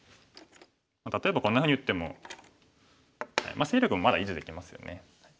例えばこんなふうに打っても勢力もまだ維持できますよね。